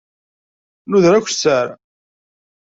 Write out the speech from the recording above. Nuder akessar.